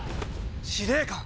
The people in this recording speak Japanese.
司令官！